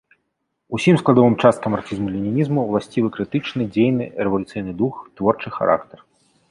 Усім складовым часткам марксізму-ленінізму ўласцівы крытычны, дзейны, рэвалюцыйны дух, творчы характар.